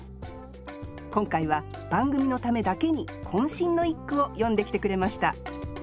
今回は番組のためだけにこん身の一句を詠んできてくれました。